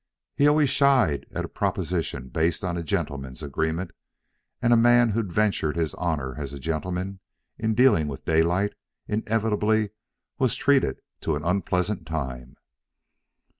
He always shied at propositions based on gentlemen's agreements, and a man who ventured his honor as a gentleman, in dealing with Daylight, inevitably was treated to an unpleasant time.